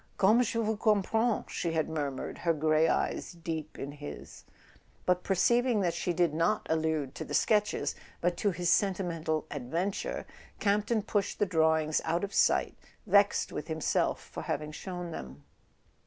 "Comme je vous comprends /" she had murmured, her grey eyes deep in his; but perceiving that she did not allude to the sketches, but to his sentimental ad¬ venture, Campton pushed the drawings out of sight, vexed with himself for having shown them.